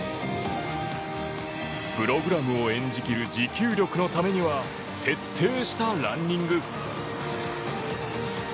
プログラムを演じ切る持久力のためには徹底したランニング。